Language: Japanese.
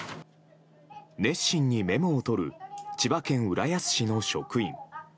熱心にメモを取る千葉県浦安市の職員。